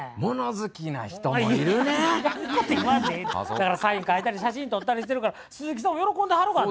だからサイン書いたり写真撮ったりしてるから鈴木さんも喜んではるがな。